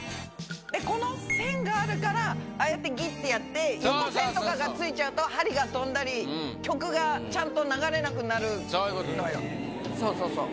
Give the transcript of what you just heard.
この線があるから、ああやって、ぎーってやって線がついちゃうと、針が飛んだり、曲がちゃんと流れそうそうそう。